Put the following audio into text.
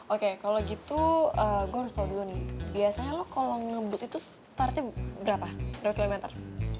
oke kalo gitu gue harus tau dulu nih biasanya lo kalo ngebut itu startnya berapa berapa kilometer